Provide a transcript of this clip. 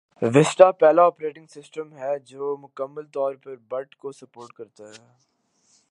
vista پہلا operating system ہے جو مکمل طور پر بٹ کو سپورٹ کرتا ہے